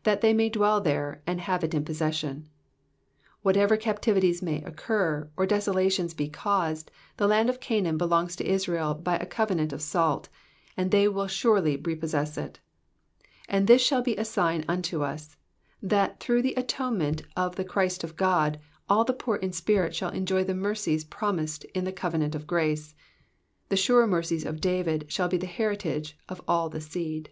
^^ That they may dwell there, and have it in possesion.'' ^ Whatever captivities may occur, or desolations be caused, the land of Canaan belongs to Israel by a covenant of salt, and they will surely repossess it ; and this shall be a sign unto us, that through the atonement of the Christ of God, all the poor in spirit shall enjoy the mercies promised in the covenant of grace. The sure mercies of David shall be the heritage of all the seed.